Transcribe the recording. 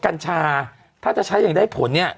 กัญชาถ้าจะใช้อย่างได้ผลเนี่ย